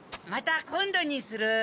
また今度にする。